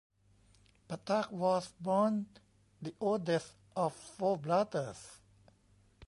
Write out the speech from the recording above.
Phatak was born the eldest of four brothers.